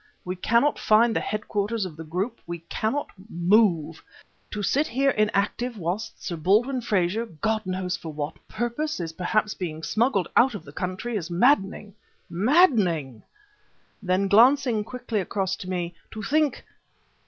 We cannot find the headquarters of the group we cannot move! To sit here inactive whilst Sir Baldwin Frazer God knows for what purpose! is perhaps being smuggled out of the country, is maddening maddening!" Then, glancing quickly across to me: "To think